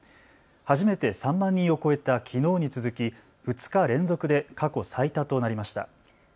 初めて３万人を超えたきのうに続き２日連続で過去最多となりました。